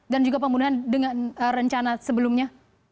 dan juga pembunuhan dengan rencana sebelumnya